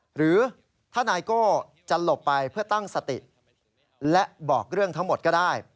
หรือถ้านายโก้จะหลบไปเพื่อตั้งสติและบอกเรื่องทั้งหมดก็ได้